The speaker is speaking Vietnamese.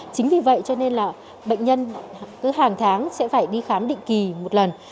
chính vì vậy cho nên là bệnh nhân cứ hàng tháng sẽ phải đi khám định kỳ một lần